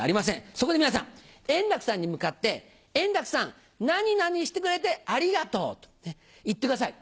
そこで皆さん、円楽さんに向かって、円楽さん、何々してくれてありがとうと言ってください。